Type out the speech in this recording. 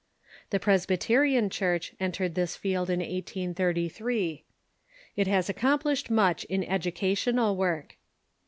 The Presbyterian Church entered this field in 1833. It has accomplished much in educa tional work.